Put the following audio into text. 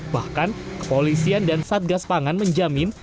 bahkan kepolisian dan satgas pangan menjamin